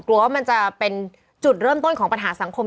กลัวว่ามันจะเป็นจุดเริ่มต้นของปัญหาสังคม